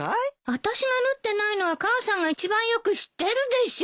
あたしが縫ってないのは母さんが一番よく知ってるでしょ。